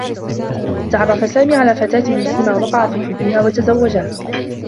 تعرّف سامي على فتاة مسلمة، وقع في حبّها و تزوّجها.